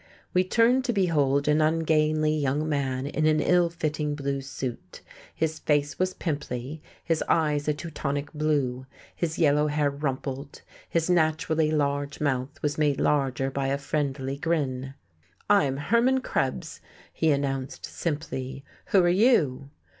We turned to behold an ungainly young man in an ill fitting blue suit. His face was pimply, his eyes a Teutonic blue, his yellow hair rumpled, his naturally large mouth was made larger by a friendly grin. "I'm Hermann Krebs," he announced simply. "Who are you?"